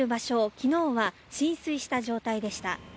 昨日は浸水した状態でした。